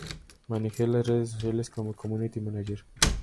Manejo de redes sociales como Community Manager.